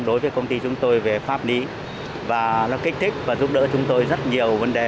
đối với công ty chúng tôi về pháp lý và nó kích thích và giúp đỡ chúng tôi rất nhiều vấn đề